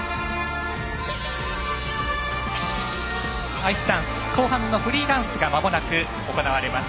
アイスダンス後半のフリーダンスがまもなく行われます。